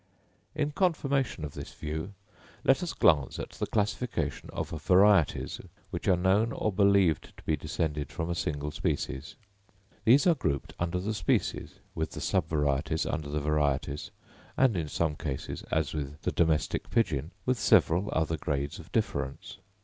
In confirmation of this view, let us glance at the classification of varieties, which are known or believed to be descended from a single species. These are grouped under the species, with the subvarieties under the varieties; and in some cases, as with the domestic pigeon, with several other grades of difference.